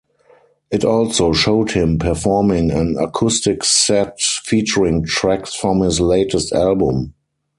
It also showed him performing an acoustic set featuring tracks from his latest album.